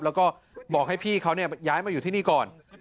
แล้วก็บอกให้พี่เขาย้ายมาอยู่ที่นี่ก่อน